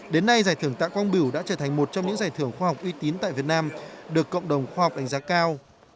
đến nay giải thưởng tạ quang bửu đã trở thành một trong những giải thưởng khoa học uy tín tại việt nam được cộng đồng khoa học đánh giá cao